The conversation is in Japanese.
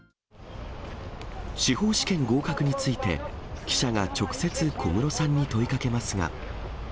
司法試験合格について、記者が直接、小室さんに問いかけますが。